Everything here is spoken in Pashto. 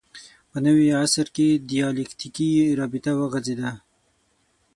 په نوي عصر کې دیالکتیکي رابطه وغځېده